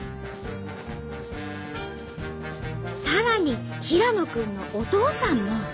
さらに平野君のお父さんも。